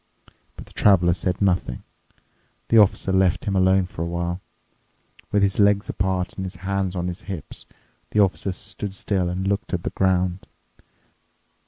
But the Traveler said nothing. The Officer left him alone for a while. With his legs apart and his hands on his hips, the Officer stood still and looked at the ground.